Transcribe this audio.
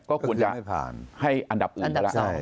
ก็ควรจะให้อันดับอื่นก็ได้